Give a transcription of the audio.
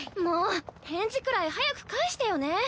もう返事くらい早く返してよね。